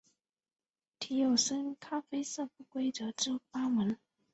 体有深咖啡色不规则之斑纹。